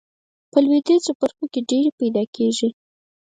په لویدیځو برخو کې ډیرې پیداکیږي.